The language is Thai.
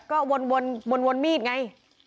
ก็วนมีดไง